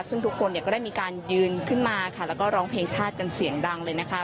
ซึ่งทุกคนก็ได้มีการยืนขึ้นมาค่ะแล้วก็ร้องเพลงชาติกันเสียงดังเลยนะคะ